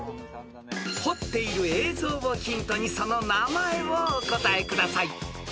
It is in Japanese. ［彫っている映像をヒントにその名前をお答えください］